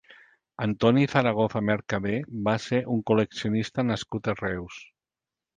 Antoni Zaragoza Mercadé va ser un col·leccionista nascut a Reus.